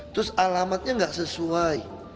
terus alamatnya nggak sesuai